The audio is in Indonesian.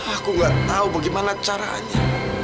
aku nggak tahu bagaimana caranya